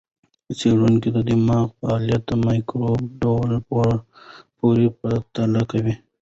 څېړونکي د دماغ فعالیت د مایکروب ډول پورې پرتله کوي.